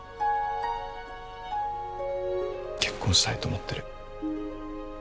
結婚したいと思ってる。